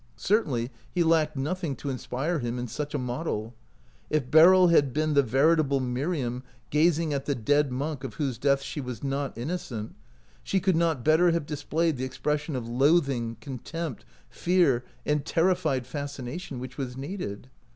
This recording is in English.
Certainly he lacked nothing to inspire him in such a model ; if Beryl had been the ver itable Miriam gazing at the dead monk of whose death she was not innocent, she could not better have displayed the expression of loathing, contempt, fear, and terrified fas cination which was needed.